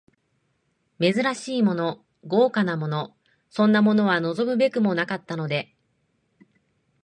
珍しいもの、豪華なもの、そんなものは望むべくもなかったので、